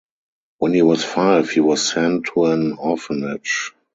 When he was five he was sent to an orphanage.